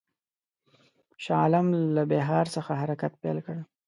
شاه عالم له بیهار څخه حرکت پیل کړ.